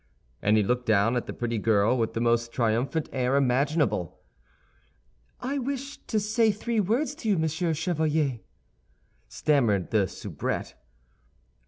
And he looked down at the pretty girl with the most triumphant air imaginable. "I wish to say three words to you, Monsieur Chevalier," stammered the soubrette.